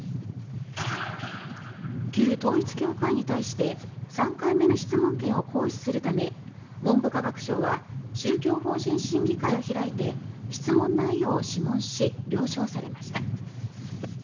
旧統一教会に対して３回目の質問権を行使するため文部科学省は宗教法人審議会を開いて質問内容を諮問し了承されました。